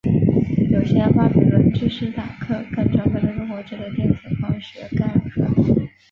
有些巴比伦之狮坦克更装备了中国制的电子光学干扰设备。